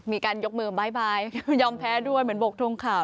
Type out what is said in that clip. มีการยกมือบ๊ายบายยอมแพ้ด้วยเหมือนบกทงข่าว